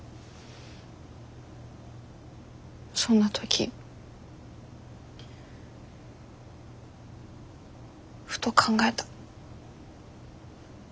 そんな時ふと考えた。